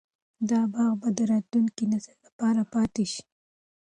دا باغ به د راتلونکي نسل لپاره پاتې شي.